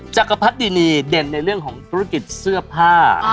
จักรพรรดิเด่นในเรื่องของธุรกิจเสื้อผ้า